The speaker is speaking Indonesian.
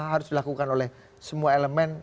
kita harus lebih beradab untuk semua elemen